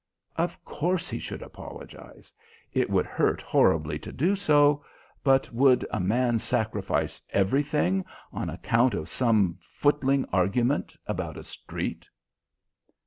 Of course he should apologize. It would hurt horribly to do so, but would a man sacrifice everything on account of some footling argument about a street?